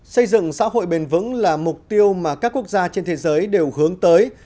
xây dựng xã hội bền vững là mục tiêu mà các quốc gia trên thế giới đều hướng tới